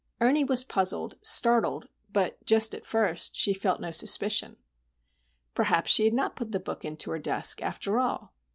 Ernie was puzzled, startled, but, just at first, she felt no suspicion. Perhaps she had not put the book into her desk, after all.